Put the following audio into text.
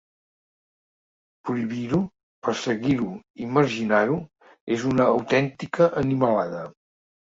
“Prohibir-ho, perseguir-ho i marginar-ho és una autèntica animalada”.